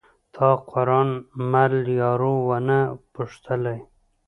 تا قران مل یارو ونه پوښتلئ